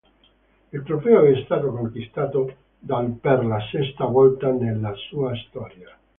Il trofeo è stato conquistato dall' per la sesta volta nella sua storia.